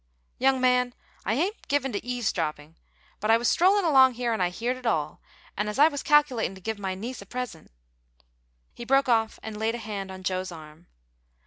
"Young man, I ain't given to eaves dropping, but I was strollin' along here and I heered it all; and as I was calculatin' to give my niece a present " He broke off and laid a hand on Joe's arm.